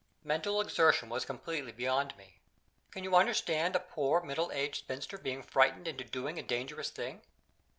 Mental exertion was completely beyond me. Can you understand a poor middle aged spinster being frightened into doing a dangerous thing?